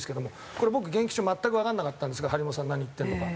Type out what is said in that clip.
これ僕現役中全くわからなかったんですが張本さん何言ってるのか。